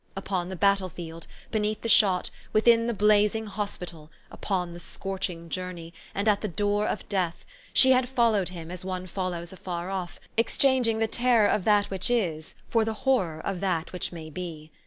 Upon the battle field, beneath the shot, within the blazing hospital, upon the scorching journey, and at the door of death, she 180 THE STORY OF AVIS. had followed him as one follows afar off, exchan ging the terror of that which is for the horror of that which may be.